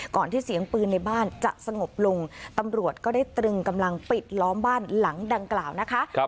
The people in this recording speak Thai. ที่เสียงปืนในบ้านจะสงบลงตำรวจก็ได้ตรึงกำลังปิดล้อมบ้านหลังดังกล่าวนะคะ